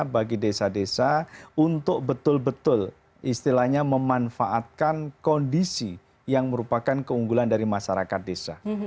bagi desa desa untuk betul betul istilahnya memanfaatkan kondisi yang merupakan keunggulan dari masyarakat desa